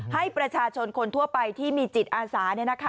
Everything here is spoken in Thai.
ให้ประชาชนคนทั่วไปที่มีจิตอาสา